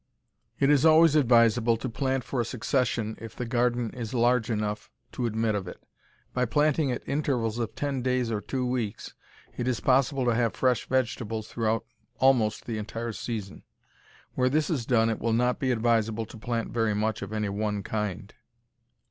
It is always advisable to plant for a succession if the garden is large enough to admit of it. By planting at intervals of ten days or two weeks it is possible to have fresh vegetables throughout almost the entire season. Where this is done it will not be advisable to plant very much of any one kind.